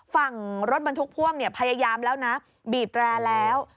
ฝั่งรถบรรทุกพ่วงเนี่ยพยายามแล้วนะบีบแตรแล้ว